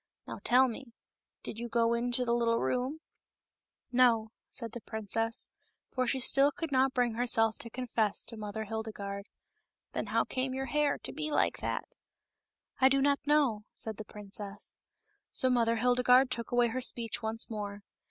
Now tell me, did you go into the little room ?"" No," said the princess, for still she could not bring herself to confess to Mother Hildegarde. " Then how came your hair to be like that ?"" I do not know," said the princess. So Mother Hildegarde took away her speech once more.